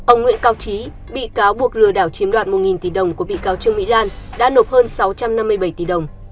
ông nguyễn cao trí bị cáo buộc lừa đảo chiếm đoạt một tỷ đồng của bị cáo trương mỹ lan đã nộp hơn sáu trăm năm mươi bảy tỷ đồng